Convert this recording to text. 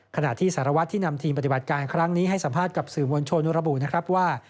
ขณะที่สารวัตรที่นำทีมปฏิบัติการครั้งนี้ให้สัมภาษณ์กับสื่อมวลชนระบุนะครับว่า